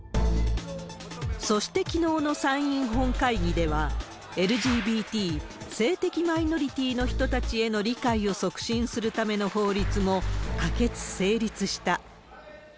そして、きのうの参院本会議では、ＬＧＢＴ・性的マイノリティの人たちへの理解を促進するための法律も可決・成立した。